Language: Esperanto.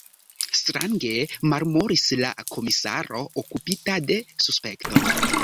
Strange, murmuris la komisaro okupita de suspekto.